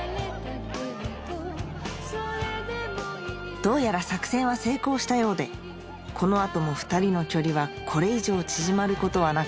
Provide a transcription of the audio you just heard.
どうやら作戦は成功したようでこの後も２人の距離はこれ以上縮まることはなく